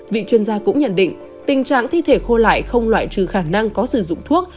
vị chuyên gia cũng nhận định tình trạng thi thể khô lại không loại trừ khả năng có sử dụng thuốc